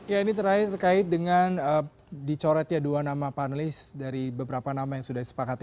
ya ini terakhir terkait dengan dicoret ya dua nama panelis dari beberapa nama yang sudah disepakati